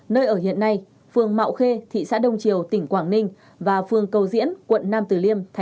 nơi ở hiện nay phường mạo khê thị xã đông triều